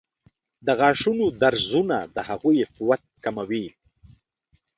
د غاښونو درزونه د هغوی قوت کموي.